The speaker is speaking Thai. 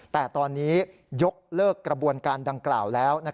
แต่ตอนนี้ยกเลิกกระบวนการดังกล่าวแล้ว